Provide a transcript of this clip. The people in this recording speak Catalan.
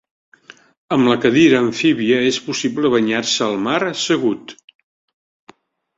Amb la cadira amfíbia és possible banyar-se al mar assegut.